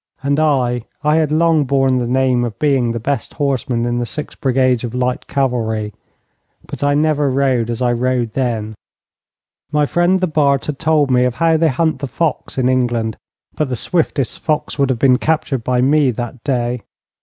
And I I had long borne the name of being the best horseman in the six brigades of light cavalry, but I never rode as I rode then. My friend the Bart had told me of how they hunt the fox in England, but the swiftest fox would have been captured by me that day.